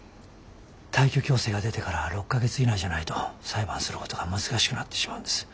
退去強制が出てから６か月以内じゃないと裁判することが難しくなってしまうんです。